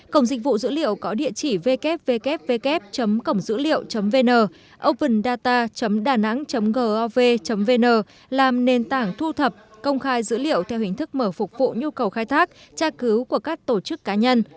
cổng dịch vụ dữ liệu có địa chỉ ww cổngdữliệu vn opendata danang gov vn làm nền tảng thu thập công khai dữ liệu theo hình thức mở phục vụ nhu cầu khai thác tra cứu của các tổ chức cá nhân